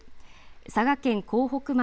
佐賀県江北町